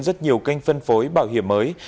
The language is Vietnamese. rất nhiều kênh phân phối bảo hiểm mới